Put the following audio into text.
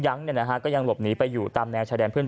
ยังเนี้ยนะฮะก็ยังหลบหนีไปอยู่ตามแนวแฉดร์เพื่อน